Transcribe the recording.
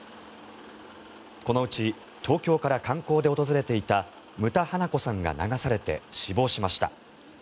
このうち東京から観光で訪れていた牟田花子さんが流されて死亡しました。